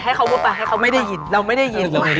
ให้เขาพูดไปให้เขาไม่ได้ยินเราไม่ได้ยินเลย